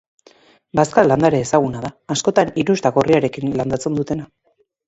Bazka-landare ezaguna da, askotan hirusta gorriarekin landatzen dutena.